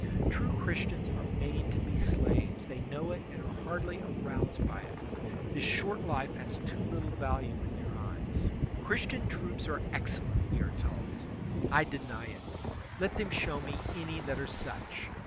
True Christians are made to be slaves; they know it and are hardly aroused by it. This short life has too little value in their eyes. Christian troops are excellent, we are told. I deny it; let them show me any that are such.